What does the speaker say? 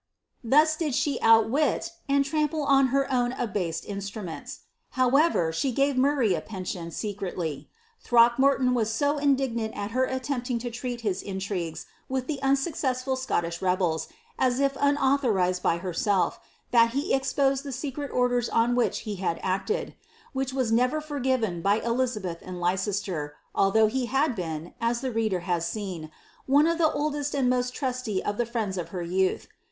' Thus did she outwit, and trample on vwn abased instruments. However, she save Murray a pension, se y. Throckmorton was so indignant at her attempting to treat his pies with the unsuccessful Scottish rebels, as if unauthorized by A£f that he exposed the secret orders on which he had acted; h was never forgiven by Elizabeth and Lieicester, although he had , as the reader has seen, one of the oldest and most trusty of the da of her youth.